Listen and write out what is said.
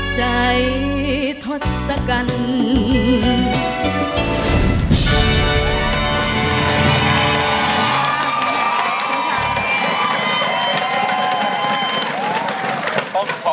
ใจทศกัณฐ์